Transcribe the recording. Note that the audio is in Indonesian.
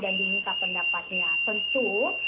dan diminta pendapatnya tentu